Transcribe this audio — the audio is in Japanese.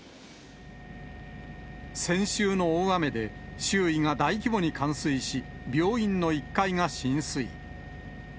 先週の大雨で、周囲が大規模に冠水し、病院の１階が浸水。